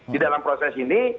di dalam proses ini